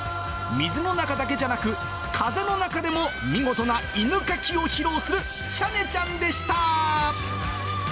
水の中だけじゃなく、風の中でも、見事な犬かきを披露するしゃねちゃんでした。